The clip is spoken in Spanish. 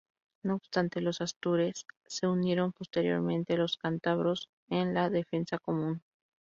No obstante, los astures se unieron posteriormente a los cántabros en la defensa común.